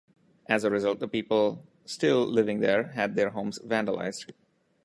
As a result, the people still living there had their homes vandalized.